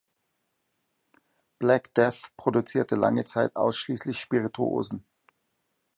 Black Death produzierte lange Zeit ausschließlich Spirituosen.